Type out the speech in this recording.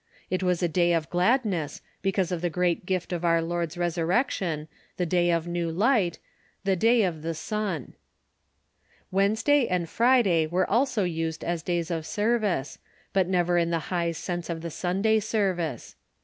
It was a day of gladness, because of the great gift of our Lord's resurrection, the day of new light, the day of the sun (// I'lXiov yfitpa). Wednesday and Friday were also used as days of service, but never in the high sense of the Sunday service.